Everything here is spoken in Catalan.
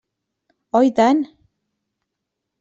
Oi tant!